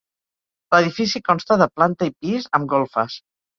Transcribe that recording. L'edifici consta de planta i pis, amb golfes.